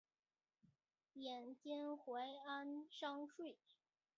贬监怀安商税。